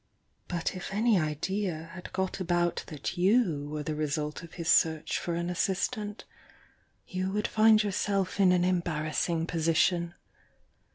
But if any idea had got about 158 THE YOUNG DIANA mi V that you were the result of his search for an assist ant, you would find yourself in an embarrassing position.